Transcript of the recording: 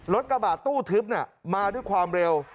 กระบาดตู้ทึบมาด้วยความเร็ว